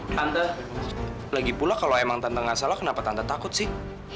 tante lagi pula kalau emang tante gak salah kenapa tante takut sih